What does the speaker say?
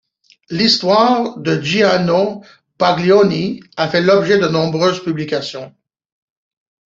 L'histoire de Giannino Baglioni a fait l'objet de nombreuses publications.